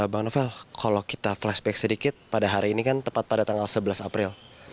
bang novel kalau kita flashback sedikit pada hari ini kan tepat pada tanggal sebelas april